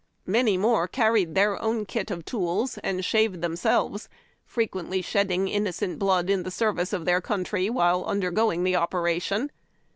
Many more carried their own kit of tools and shaved them selves, frequentl}^ shedding innocent blood in the service of their country while undergoing the operation.